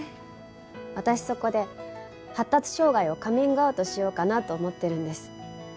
私そこで発達障害をカミングアウトしようかなと思ってるんです。